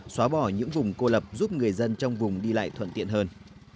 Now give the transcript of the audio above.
xóa bỏ những vùng cô lập giúp người dân trong vùng đi lại thuận tiện hơn